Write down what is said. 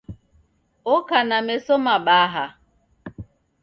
Oka na meso mabaha